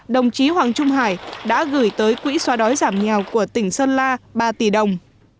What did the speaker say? đồng chí hoàng trung hải đã gửi tới quỹ xóa đói giảm nghèo của tỉnh sơn la ba tỷ đồng